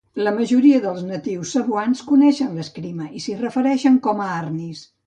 La majoria dels natius cebuans coneixen Eskrima i s'hi refereixen com a "Arnis".